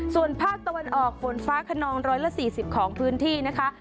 ส่วนภาคตะวันออกฝนฟ้าขนอง๑๔๐ของพื้นที่นะคะ